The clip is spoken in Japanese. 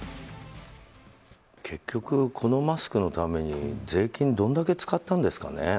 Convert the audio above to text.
結局このマスクのために税金どんだけ使ったんですかね。